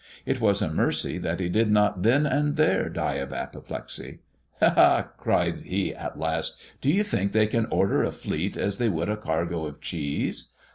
It was a mercy that he did not then and there die of apoplexy. 'Eh!' cried he at last; 'do you think they can order a fleet as they would a cargo of cheese?